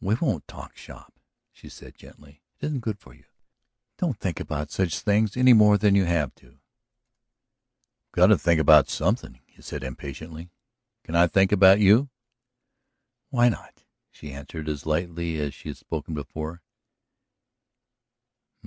"We won't talk shop," she said gently. "It isn't good for you. Don't think about such things any more than you have to." "I've got to think about something," he said impatiently. "Can I think about you?" "Why not?" she answered as lightly as she had spoken before.